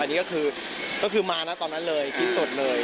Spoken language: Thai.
อันนี้ก็คือมานะตอนนั้นเลยคิดสดเลย